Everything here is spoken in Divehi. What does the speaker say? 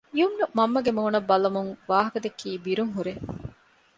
ޔުމްނު މަންމަގެ މޫނަށް ބަލަމުން ވާހަކަދެއްކީ ބިރުން ހުރޭ